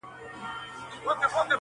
د ناروا زوی نه یم